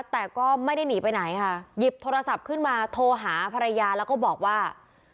แต่ก็ไม่ได้หนีไปไหนค่ะหยิบโทรศัพท์ขึ้นมาโทรหาภรรยาแล้วก็บอกว่า